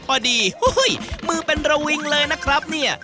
โอ้โฮมือเป็นระวิงเลยนะครับนี่